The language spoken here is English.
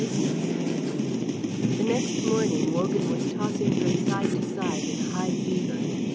CHAPTER IX The next morning Wogan was tossing from side to side in a high fever.